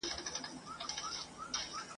خړي وریځي به رخصت سي نور به نه وي توپانونه ..